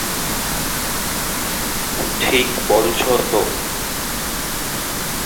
ঠিক বলছ তো?